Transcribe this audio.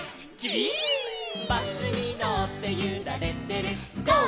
「バスにのってゆられてるゴー！